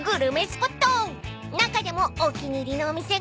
［中でもお気に入りのお店が］